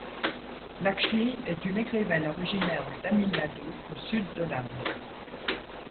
Lakshmi, est une écrivaine originaire du Tamil Nadu, au sud de l’Inde.